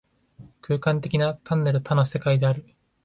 空間的な、単なる多の世界である。